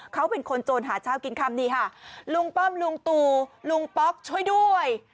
เขาเป็นคนโจรหาเช้ากินค่ำนี่ค่ะลุงป้อมลุงตู่ลุงป๊อกช่วยด้วย